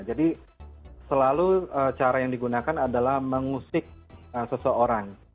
jadi selalu cara yang digunakan adalah mengusik seseorang